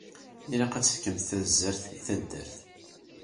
Ilaq ad tefkemt tabzert i taddart.